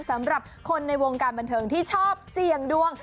สำหรับคนในวงการบันเทิงที่ชอบเสี่ยงดวง